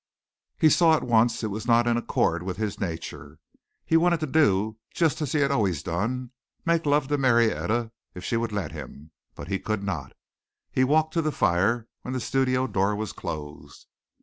He saw at once it was not in accord with his nature. He wanted to do just as he had always done make love to Marietta if she would let him, but he could not. He walked to the fire when the studio door was closed.